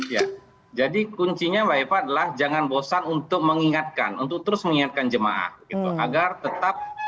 ya jadi kuncinya mbak eva adalah jangan bosan untuk mengingatkan untuk terus mengingatkan jemaah agar tetap